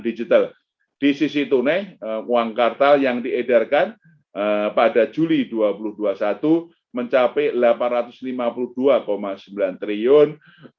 digital di sisi tunai uang kartal yang diedarkan pada juli dua ribu dua puluh satu mencapai rp delapan ratus lima puluh dua sembilan triliun